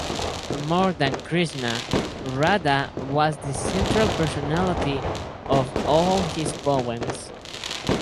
More than Krishna, Radha was the central personality of all his poems.